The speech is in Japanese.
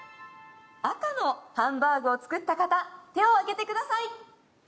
赤のハンバーグを作った方手をあげてください。